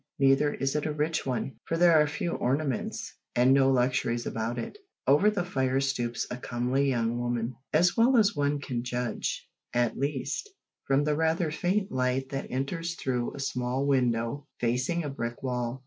Neither is it a rich one, for there are few ornaments, and no luxuries about it. Over the fire stoops a comely young woman, as well as one can judge, at least, from the rather faint light that enters through a small window facing a brick wall.